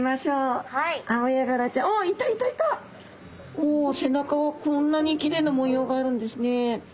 お背中はこんなにきれいな模様があるんですね。